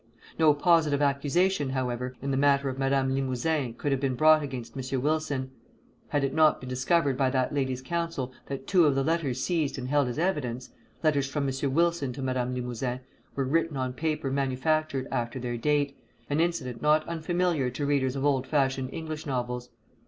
No positive accusation, however, in the matter of Madame Limouzin could have been brought against M. Wilson, had it not been discovered by that lady's counsel that two of the letters seized and held as evidence letters from M. Wilson to Madame Limouzin were written on paper manufactured after their date, an incident not unfamiliar to readers of old fashioned English novels.